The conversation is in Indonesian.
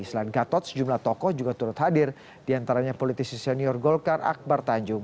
selain gatot sejumlah tokoh juga turut hadir diantaranya politisi senior golkar akbar tanjung